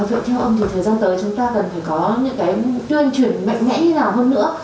vậy theo ông thì thời gian tới chúng ta cần phải có những cái tuyên truyền mạnh mẽ như nào hơn nữa